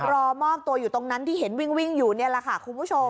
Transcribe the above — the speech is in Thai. รอมอบตัวอยู่ตรงนั้นที่เห็นวิ่งอยู่นี่แหละค่ะคุณผู้ชม